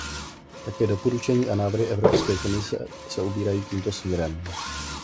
Také doporučení a návrhy Evropské komise se ubírají tímto směrem.